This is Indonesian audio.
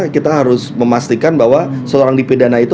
kita harus memastikan bahwa seorang dipidana itu